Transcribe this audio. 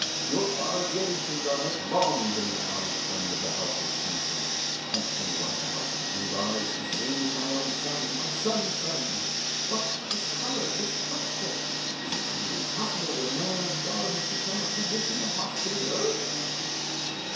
"Your father Jai Timgar has long been an honored friend of the house of SinSin, and anyone of the house of Timgar is the same as my own son and my son's son! But this collar! This cuff! Is it really possible that a man of Garv has become a physician of Hospital Earth?"